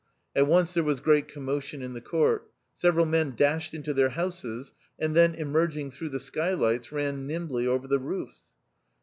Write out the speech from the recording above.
At once there was great commo tion in the court. Several men dashed into their houses, and then emerging through the skylights, ran nimbly over the roofs.